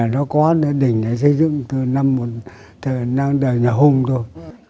nó có đỉnh này xây dựng từ năm đời nhà hùng thôi